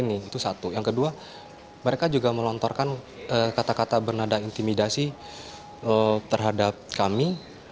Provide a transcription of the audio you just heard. itu satu yang kedua mereka juga melontarkan kata kata bernada intimidasi terhadap kami